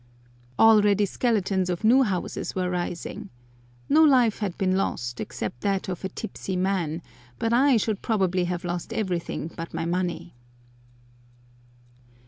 Already skeletons of new houses were rising. No life had been lost except that of a tipsy man, but I should probably have lost everything but my money.